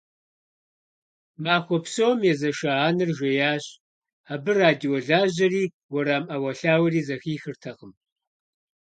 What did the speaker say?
Махуэ псом езэша анэр жеящ, абы радио лажьэри, уэрам Ӏэуэлъауэри зэхихыртэкъым.